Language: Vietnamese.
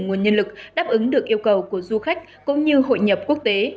nguồn nhân lực đáp ứng được yêu cầu của du khách cũng như hội nhập quốc tế